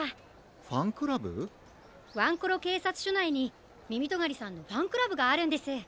ワンコロけいさつしょないにみみとがりさんのファンクラブがあるんです。